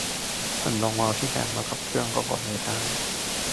แผ่นรองเมาส์ที่แถมมากับเครื่องก็พอใช้ได้